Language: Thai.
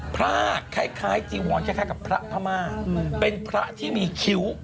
พระคล้ายจีวรคล้ายกับพระพม่าเป็นพระที่มีคิ้ว